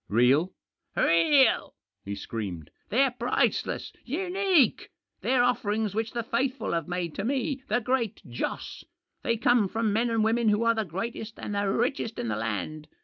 "Real?" " Real !" he screamed. " They're priceless I unique ! They're offerings which the faithful have made to me, the Great Joss. They come from men and women who are the greatest and the richest in the land.